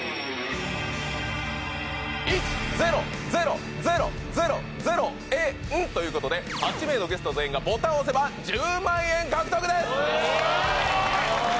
「１０００００えん」ということで８名のゲスト全員がボタンを押せば１０万円獲得です！